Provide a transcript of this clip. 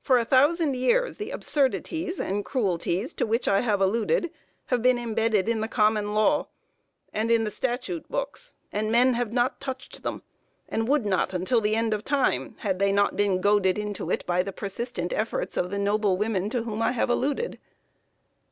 For a thousand years the absurdities and cruelties to which I have alluded have been embedded in the common law, and in the statute books, and men have not touched them, and would not until the end of time, had they not been goaded to it by the persistent efforts of the noble women to whom I have alluded.